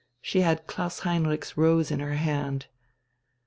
She had Klaus Heinrich's rose in her hand.